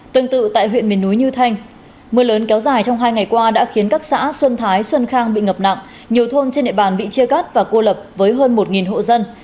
tương tự tại huyện miền núi như thanh mưa lớn kéo dài trong hai ngày qua đã khiến các xã xuân thái xuân khang bị ngập nặng nhiều thôn trên địa bàn bị chia cắt và cô lập với hơn một hộ dân